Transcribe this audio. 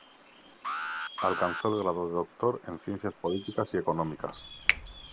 Alcanzó el grado de Doctor en Ciencias Políticas y Económicas.